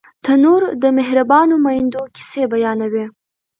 تنور د مهربانو میندو کیسې بیانوي